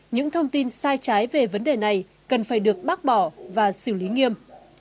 những thông tin sai trái về vấn đề này cần phải được bác bỏ và xử lý nghiêm